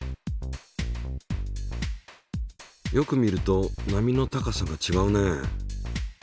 よく見ると波の高さがちがうね。